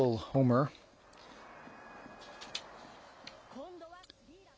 今度はスリーラン。